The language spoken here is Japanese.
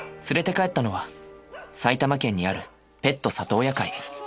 連れて帰ったのは埼玉県にあるペット里親会。